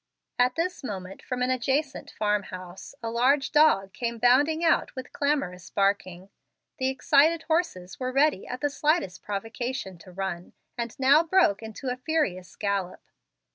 At this moment from an adjacent farm house, a large dog came bounding out with clamorous barking. The excited horses were ready at the slightest provocation to run, and now broke into a furious gallop.